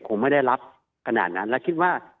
คงไม่ได้รับขนาดนั้นและคิดว่า